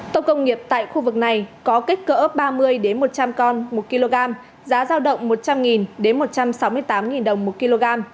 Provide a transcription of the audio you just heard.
tôm công nghiệp tại khu vực này có kích cỡ ba mươi một trăm linh con một kg giá giao động một trăm linh một trăm sáu mươi tám đồng một kg